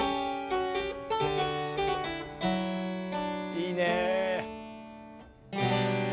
いいね。